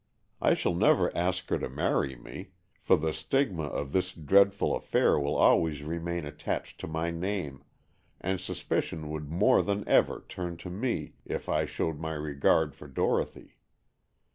I shall never ask her to marry me, for the stigma of this dreadful affair will always remain attached to my name, and suspicion would more than ever turn to me, if I showed my regard for Dorothy.